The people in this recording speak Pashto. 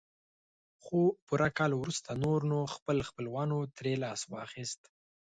خو پوره کال وروسته نور نو خپل خپلوانو ترې لاس واخيست.